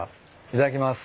いただきます。